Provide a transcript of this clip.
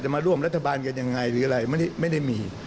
มาร่วมรัฐบาลกันยังไงหรืออะไรไม่ได้มี